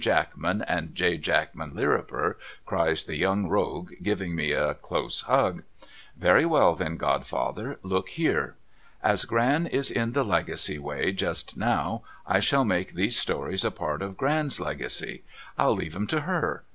Jackman, and J. Jackman Lirriper,' cries the Young Rogue giving me a close hug. ' Very well then godfather. Look here. As Gran is in the Legacy way just now, I shall make these stories a part of Gran's Legacy. I'll leave 'em to her.